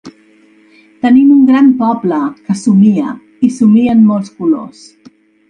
Tenim un gran poble, que somia, i somia en molts colors.